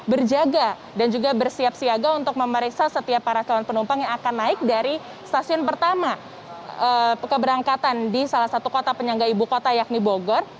berjaga dan juga bersiap siaga untuk memeriksa setiap para calon penumpang yang akan naik dari stasiun pertama keberangkatan di salah satu kota penyangga ibu kota yakni bogor